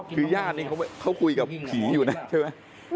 คือญาตินี่เขาคุยกับผีอยู่นะใช่ไหม